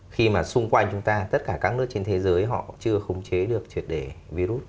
khi mà xung quanh chúng ta tất cả các nước trên thế giới họ chưa khống chế được triệt để virus